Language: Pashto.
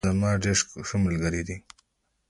احمد زما ډیر ښه ملگرى دي